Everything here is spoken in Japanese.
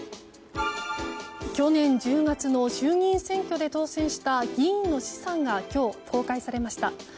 去年１０月の衆議院選挙で当選した議員の資産が今日、公開されました。